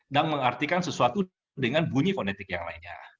dan mengartikan sesuatu dengan bunyi fonetik yang lainnya